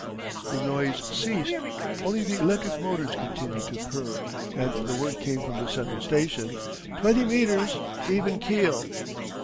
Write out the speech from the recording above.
The noise ceased, only the electric motors continued to purr, and the word came from the central station: "Twenty meters even keel!"